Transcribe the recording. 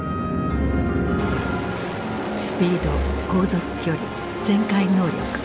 スピード航続距離旋回能力。